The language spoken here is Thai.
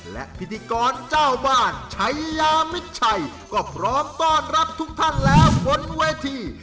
และพิธีกรเจ้าบ้านชัยยามิดชัยก็พร้อมต้อนรับทุกท่านแล้วบนเวที